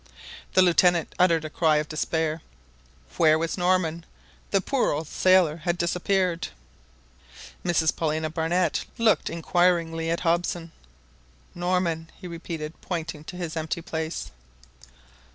The Lieutenant uttered a cry of despair. Where was Norman? The poor old sailor had disappeared ! Mrs Paulina Barnett looked inquiringly at Hobson. "Norman!" he repeated, pointing to his empty place.